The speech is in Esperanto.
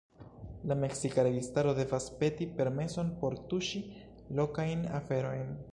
La meksika registaro devas peti permeson por tuŝi lokajn aferojn.